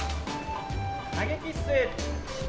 投げキッス。